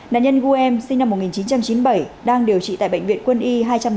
nạn nhân gu em sinh năm một nghìn chín trăm chín mươi bảy đang điều trị tại bệnh viện quân y hai trăm một mươi tám